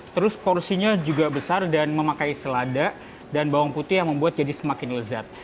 terus porsinya juga besar dan memakai selada dan bawang putih yang membuat jadi semakin lezat